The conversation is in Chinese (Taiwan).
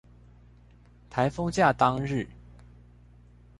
颱風假當日